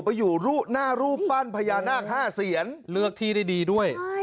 มาอยู่รูปหน้ารูปปั้นพญานาคห้าเสียรเลือกที่ได้ดีด้วยใช่